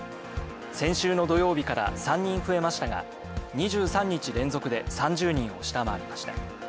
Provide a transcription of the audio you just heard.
先週の土曜日から３人増えましたが、２３日連続で３０人を下回りました。